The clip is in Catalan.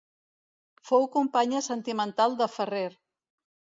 Fou companya sentimental de Ferrer.